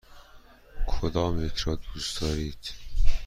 کدامیک را دوست دارید؟